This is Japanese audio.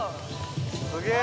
すげえ！